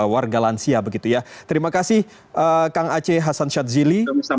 warga lansia begitu ya terima kasih kang aceh hasan syadzili